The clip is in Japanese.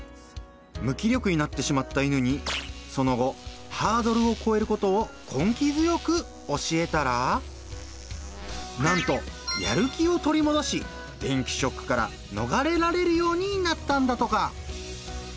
無気力になってしまった犬にその後ハードルをこえることを根気強く教えたらなんとやる気を取り戻し電気ショックからのがれられるようになったんだとか。